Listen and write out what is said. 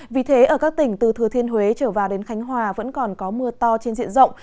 vì thế ở các tỉnh từ thừa thiên huế trở vào đến khánh hòa vẫn còn có mưa to trên diện rộng